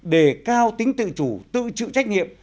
để cao tính tự chủ tự chịu trách nhiệm